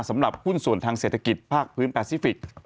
สำหรับหุ้นส่วนทางเศรษฐกิจภาคพื้นแปซิฟิกส์